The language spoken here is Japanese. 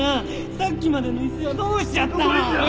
さっきまでの威勢はどうしちゃったの？